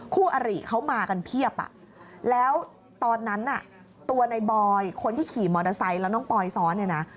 คู่อริเขามากันเพียบอ่ะแล้วตอนนั้นน่ะตัวในบอยคนที่ขี่มอเตอร์ไซค์แล้วน้องปอยซ้อนเนี่ยนะ